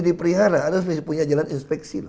dipelihara harus punya jalan inspeksi loh